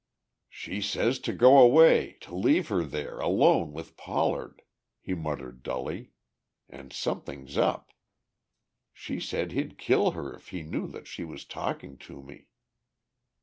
"She says to go away, to leave her there alone with Pollard," he muttered dully. "And something's up. She said he'd kill her if he knew that she was talking to me..."